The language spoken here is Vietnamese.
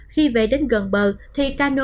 khi về đến gần bờ thì ca nô